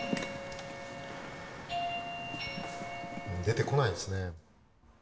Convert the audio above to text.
出てこないですね。